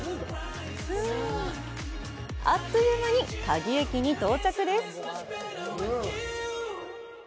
あっという間に嘉義駅に到着です。